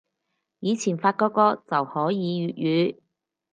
以前發個個就可以粵語